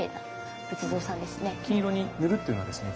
金色に塗るっていうのはですね